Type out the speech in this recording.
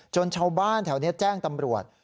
ชาวบ้านแถวนี้แจ้งตำรวจ